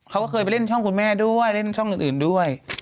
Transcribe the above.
เขาก็เคยไปเล่นช่องคุณแม่ด้วยเล่นช่องอื่นด้วย